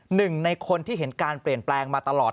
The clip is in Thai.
หนึ่งในคนที่เห็นการเปลี่ยนแปลงมาตลอด